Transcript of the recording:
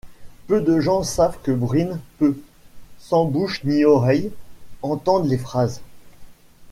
Peu de gens savent que Bruine peut, sans bouche ni oreille, entendre les phrases.